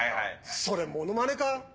それモノマネか？